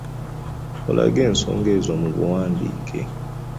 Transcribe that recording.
Olage ensonga ezo mu buwandiike.